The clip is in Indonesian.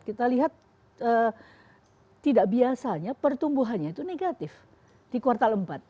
kita lihat tidak biasanya pertumbuhannya itu negatif di kuartal empat